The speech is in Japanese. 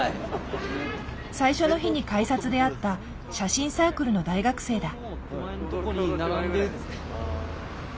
最初の日に改札で会った写真サークルの大学生だ。